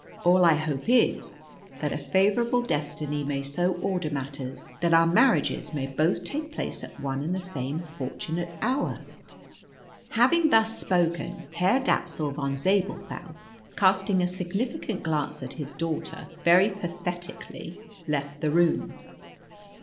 All I hope is, that a favourable destiny may so order matters that our marriages may both take place at one and the same fortunate hour." Having thus spoken, Herr Dapsul von Zabelthau, casting a significant glance at his daughter, very pathetically left the room.